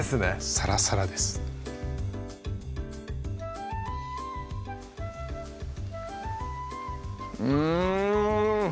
サラサラですうん！